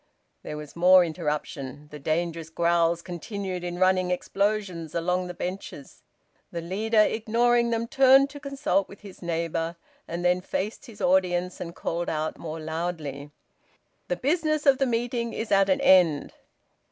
There was more interruption. The dangerous growls continued in running explosions along the benches. The leader, ignoring them, turned to consult with his neighbour, and then faced his audience and called out more loudly "The business of the meeting is at an end."